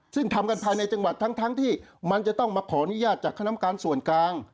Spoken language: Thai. ซึ่งทำกันภายในจังหวัดทั้งที่มันจะต้องมาขออนุญาตจากคณะกรรมการส่วนกลาง